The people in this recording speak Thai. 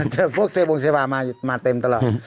จนพวกเซว่ามาเต็มตลอด